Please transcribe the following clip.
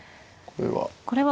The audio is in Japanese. これは。